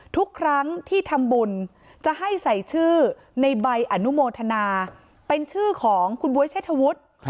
ทุกครั้งที่ทำบุญจะให้ใส่ชื่อในใบอนุโมทนาเป็นชื่อของคุณบ๊วยเชษฐวุฒิ